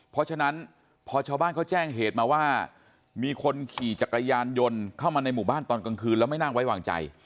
เพราะฉะนั้นพอชาวบ้านเขาแจ้งเหตุมาว่ามีคนขี่จักรยานยนต์เข้ามาในหมู่บ้านตอนกลางคืนแล้วไม่น่าไว้วางใจ